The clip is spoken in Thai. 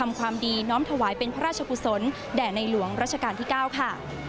ความดีน้อมถวายเป็นพระราชกุศลแด่ในหลวงรัชกาลที่๙ค่ะ